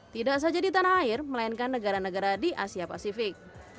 tidak saja di tanah air melainkan negara negara di asia pasifik